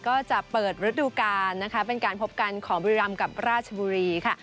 ก็จะเปิดฤดูกาลนะคะเป็นการพบกันของบุรีรำกับราชบุรีค่ะ